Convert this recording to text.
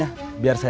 jadi suruh saya